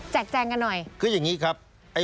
แจงกันหน่อยคืออย่างนี้ครับ